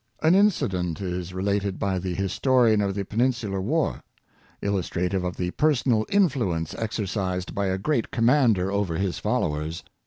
An incident is related by the historian of the Penin sular War, illustrative of the personal influence exer cised by a great commander over his followers.